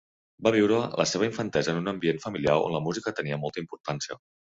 Va viure la seva infantesa en un ambient familiar on la música tenia molta importància.